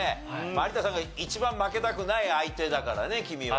有田さんが一番負けたくない相手だからね君は。